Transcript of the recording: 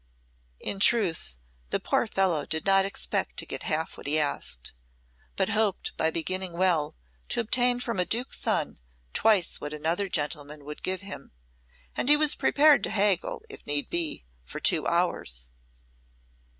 In truth, the poor fellow did not expect to get half he asked, but hoped by beginning well to obtain from a Duke's son twice what another gentleman would give him and he was prepared to haggle, if need be, for two hours.